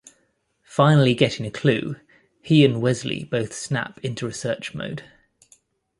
Finally getting a clue, he and Wesley both snap into research mode.